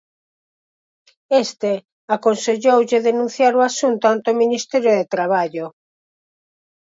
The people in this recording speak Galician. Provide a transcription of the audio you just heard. Este aconselloulle denunciar o asunto ante o Ministerio de Traballo.